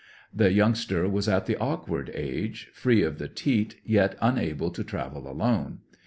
The youngster was at the awkward age, free of the teat, yet unable to travel alone.